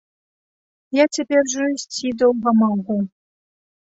Я цяпер ужо ісці доўга магу.